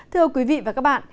thưa quý vị và các bạn